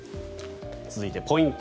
続いてポイント